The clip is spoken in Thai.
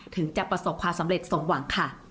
ถึงจะประสบความสำเร็จสมหวังค่ะ